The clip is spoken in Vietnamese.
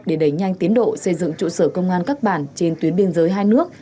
để đẩy nhanh tiến độ xây dựng trụ sở công an các bản trên tuyến biên giới hai nước